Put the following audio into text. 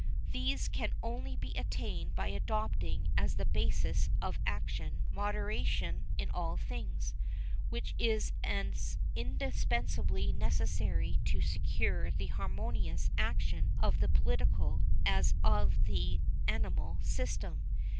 These can only be attained by adopting as the basis of action moderation in all things, which is as indispensably necessary to secure the harmonious action of the political as of the animal system.